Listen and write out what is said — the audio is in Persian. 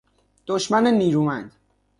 دشمن نیرومند